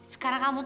sekarang kamu kan